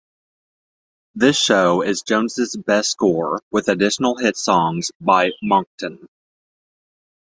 This show is Jones' best score, with additional hit songs by Monckton.